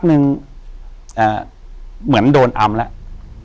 อยู่ที่แม่ศรีวิรัยิลครับ